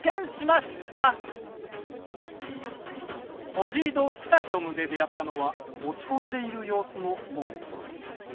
ホジード・スタジョムで出会ったのは落ち込んでいる様子のモンストロ。